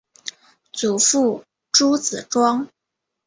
祖父朱子庄。